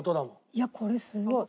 いやこれすごい。